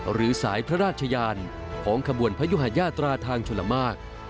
หรือสายพระราชยานของขบวนพยุหาญาตราทางชลมาก